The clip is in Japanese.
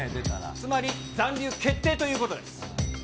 つまり、残留決定ということです。